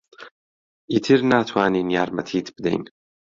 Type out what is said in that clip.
ئیتر ناتوانین یارمەتیت بدەین.